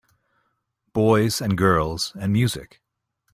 Boys and girls and music.